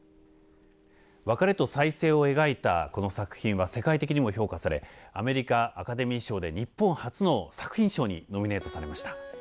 「別れと再生」を描いたこの作品は世界的にも評価されアメリカアカデミー賞で日本初の作品賞にノミネートされました。